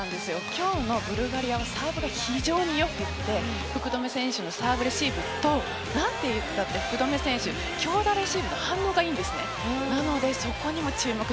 今日のブルガリアはサーブが非常に良くて福留選手のサーブレシーブと何といっても福留選手、強打レシーブの反応がいいんです。